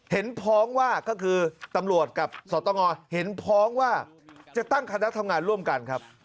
พ้องว่าก็คือตำรวจกับสตงเห็นพ้องว่าจะตั้งคณะทำงานร่วมกันครับ